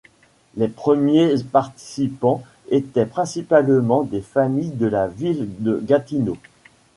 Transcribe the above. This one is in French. Les premiers participants étaient principalement des familles de la ville de Gatineau.